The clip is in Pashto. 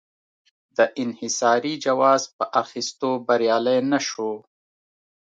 د انحصاري جواز په اخیستو بریالی نه شو.